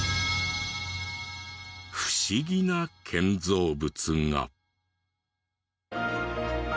不思議な建造物が。